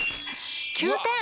９点。